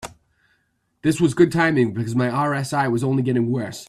This was good timing, because my RSI was only getting worse.